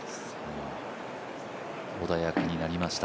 穏やかになりました。